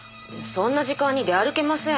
そんな時間に出歩けません。